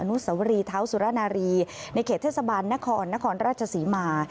นุสวรีเท้าสุรนารีในเขตเทศบาลนครนครราชศรีมา